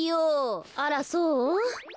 あらそう？